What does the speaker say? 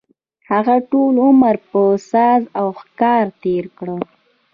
هغه ټول عمر په ساز او ښکار تېر کړ.